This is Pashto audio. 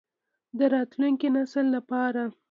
د راتلونکي نسل لپاره.